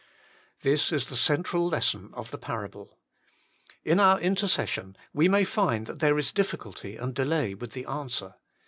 This is the central lesson of the parable. In our intercession we may find that there is difficulty and delay with the answer.